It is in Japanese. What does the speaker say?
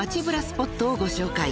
スポットをご紹介］